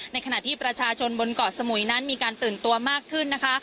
ในขณะที่ประชาชนบนเกาะสมุยนั้นมีการตื่นตัวมากขึ้นนะคะ